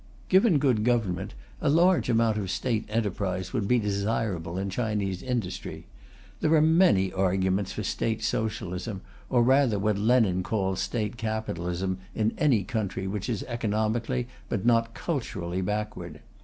Given good government, a large amount of State enterprise would be desirable in Chinese industry. There are many arguments for State Socialism, or rather what Lenin calls State Capitalism, in any country which is economically but not culturally backward.